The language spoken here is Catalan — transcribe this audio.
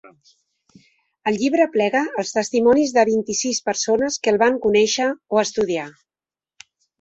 El llibre aplega els testimonis de vint-i-sis persones que el van conèixer o estudiar.